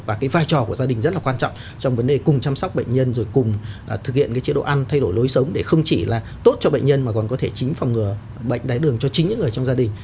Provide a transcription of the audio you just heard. và cái vai trò của gia đình rất là quan trọng trong vấn đề cùng chăm sóc bệnh nhân rồi cùng thực hiện cái chế độ ăn thay đổi lối sống để không chỉ là tốt cho bệnh nhân mà còn có thể chính phòng ngừa bệnh đái đường cho chính những người trong gia đình